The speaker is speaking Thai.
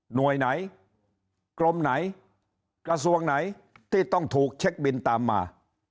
หน่วยไหนกรมไหนกระทรวงไหนที่ต้องถูกเช็คบินตามมา